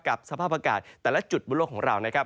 สภาพอากาศแต่ละจุดบนโลกของเรานะครับ